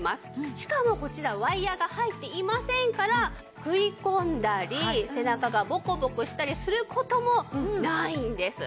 しかもこちらワイヤが入っていませんから食い込んだり背中がボコボコしたりする事もないんです。